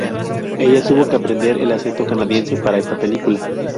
Ella tuvo que aprender el acento canadiense para esta película.